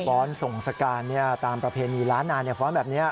้อนส่งสการตามประเพณีล้านนาฟ้อนแบบนี้